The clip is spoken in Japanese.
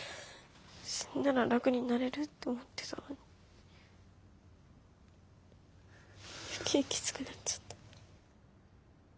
死んだら楽になれると思ってたのに余計きつくなっちゃった。